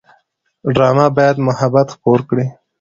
ډرامه باید محبت خپور کړي